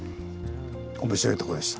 面白いとこでした。